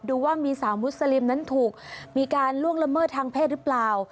ดูว่ามีสาวมุสลิมนั้นถูกมีการล่วงละเมิดทางเพศหรือเปล่า